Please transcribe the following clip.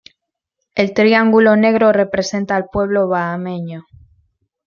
El triángulo negro representa al pueblo bahameño.